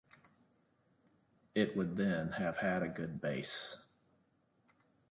It would then have had a good base.